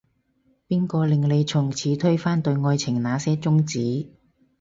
邊個令你從此推翻，對愛情那些宗旨